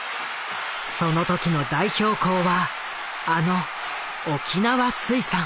その時の代表校はあの沖縄水産。